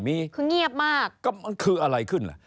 มันคืออะไรขึ้นล่ะ